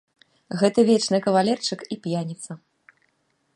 Гэта вечны кавалерчык і п'яніца.